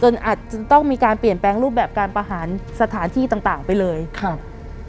อาจจะต้องมีการเปลี่ยนแปลงรูปแบบการประหารสถานที่ต่างต่างไปเลยครับ